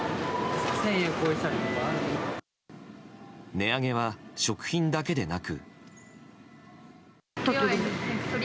値上げは食品だけでなく。